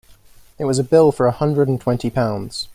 It was a bill for a hundred and twenty pounds.